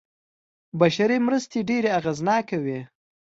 بشري مرستې ډېرې اغېزناکې وې.